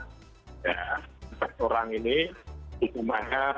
ya orang ini hukumannya